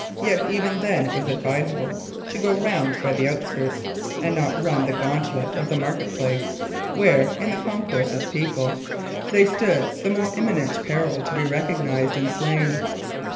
Yet even then it was advisable to go round by the outskirts, and not run the gauntlet of the market place, where, in the concourse of people, they stood the more imminent peril to be recognised and slain.